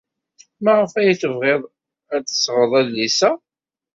Maɣef ay tebɣiḍ ad d-tesɣeḍ adlis-a?